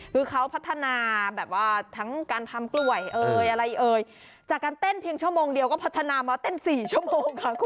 คือเขาพัฒนาแบบว่าทั้งการทำกล้วยเอ่ยอะไรเอ่ยจากการเต้นเพียงชั่วโมงเดียวก็พัฒนามาเต้นสี่ชั่วโมงค่ะคุณ